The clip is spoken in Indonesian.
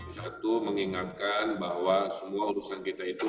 satu mengingatkan bahwa semua urusan kita itu